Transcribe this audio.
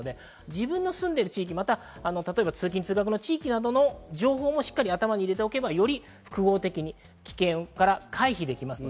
自分の住んでいる地域、例えば通勤・通学の地域などの情報も、しっかり頭に入れておけば、より複合的に危険から回避できます。